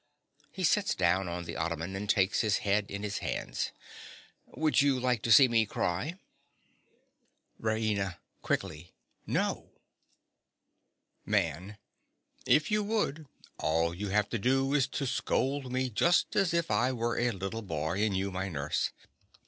(He sits down on the ottoman, and takes his head in his hands.) Would you like to see me cry? RAINA. (quickly). No. MAN. If you would, all you have to do is to scold me just as if I were a little boy and you my nurse.